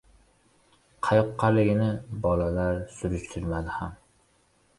Qayoqqaligini bolalar surishtirishmadi ham.